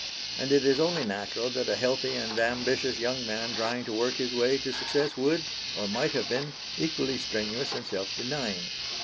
And it is only natural that a healthy and ambitious young man trying to work his way to success would, or might have been, equally strenuous and self denying.